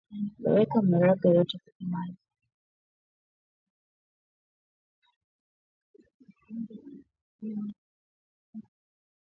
Loweka maharage yote kwemye maji